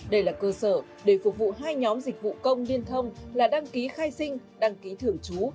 đây là cơ sở để phục vụ hai nhóm dịch vụ công liên thông là đăng ký khai sinh đăng ký thường trú